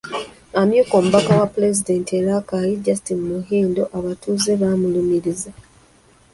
Amyuka omubaka wa Pulezidenti e Rakai, Justine Muhindo abatuuze bamulumirizza.